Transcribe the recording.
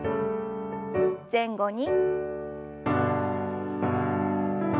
前後に。